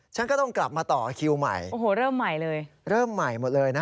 ฉันก็ต้องต่อคิวใหม่โอ้โฮเริ่มใหม่เลย